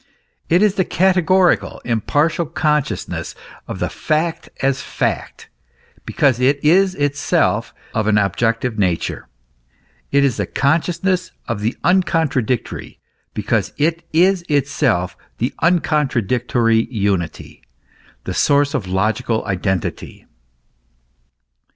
It is the categorical, impartial consciousness of the fact as fact, because it is itself of an objective nature. It is the consciousness of the uncon tradictory, because it is itself the uncontradictory unity, the source of logical identity.